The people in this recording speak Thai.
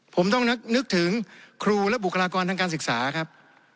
ผมต้องนึกถึงครูและบุคลากรทางการศึกษาครับ